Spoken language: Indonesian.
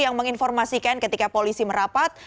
yang menginformasikan ketika polisi merapat